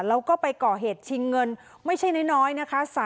แล้วก็ไปก่อเหตุชิงเงินไม่ใช่น้อยนะคะ